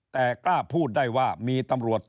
แต่กล้าพูดได้ว่ามีตำรวจ